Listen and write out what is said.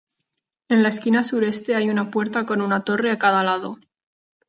En la esquina sureste hay una puerta con una torre a cada lado.